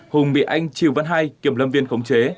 hùng bị anh triều văn hai kiểm lâm viên khống chế